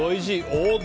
王道。